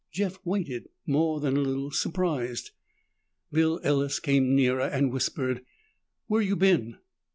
Jeff waited, more than a little surprised. Bill Ellis came nearer and whispered, "Where you been?"